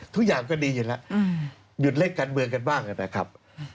ทุกอย่างก็ดีอยู่แล้วหยุดเล่นการเมืองกันบ้างนะครับ